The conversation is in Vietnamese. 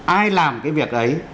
ai làm cái việc ấy